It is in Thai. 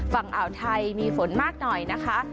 ฝั่งอ่าวไทยมีฝนมากหน่อยนะคะ